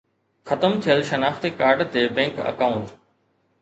ختم ٿيل شناختي ڪارڊ تي بينڪ اڪائونٽ